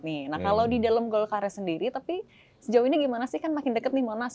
nih nah kalau di dalam golkarnya sendiri tapi sejauh ini gimana sih kan makin dekat nih monas